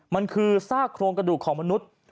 มันคือซากโครงกระดูกของมนุษย์